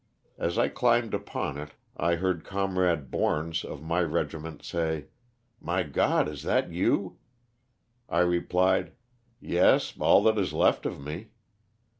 As I climbed upon it I heard com rade Borns of my regiment say, *' My God, is that you?'* I replied, *'Yes, all that is left of me.'